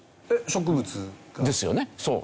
植物。ですよね。